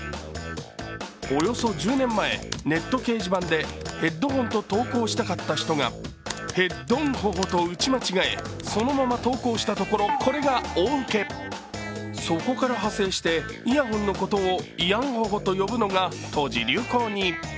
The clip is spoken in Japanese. およそ１０年前、ネット掲示板でヘッドホンと投稿したかった人がヘッドンホホとうち間違え、そのまま投稿したところこれが大受け、そこからはせんしてイヤホンのことをイヤンホホとよぶことが当時流行に。